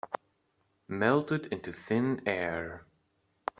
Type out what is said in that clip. Melted into thin air